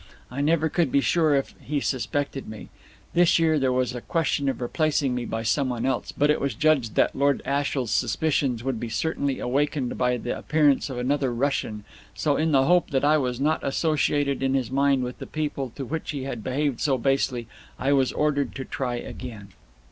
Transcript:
I never could be sure if he suspected me. This year there was a question of replacing me by some one else, but it was judged that Lord Ashiel's suspicions would be certainly awakened by the appearance of another Russian, so, in the hope that I was not associated in his mind with the people to which he had behaved so basely, I was ordered to try again.